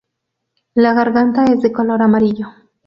La garganta es de color amarillo.